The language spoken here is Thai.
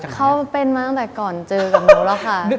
เขามาเป็นมาตั้งแต่ก่อนเจอกันรึล่ะคะ